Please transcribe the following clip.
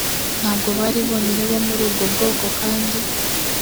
ntabwo bari bonyine bo muri ubwo bwoko kandi